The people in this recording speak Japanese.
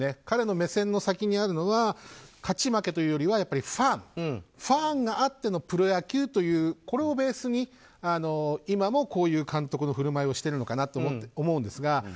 彼の目線の先にあるのが勝ち負けというよりはファンファンがあってのプロ野球というこれをベースに、今もこういう監督の振る舞いをしているのかなと思うのですが。